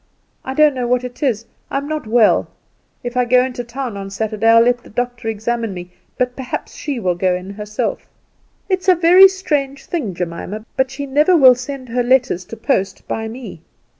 I don't know what it is; I'm not well. If I go into town on Saturday I will let the doctor examine me; but perhaps she'll go in herself. It's a very strange thing, Jemima, but she never will send her letters to post by me.